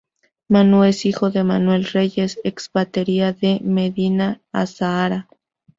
Manu es hijo de Manuel Reyes, ex-batería de Medina Azahara.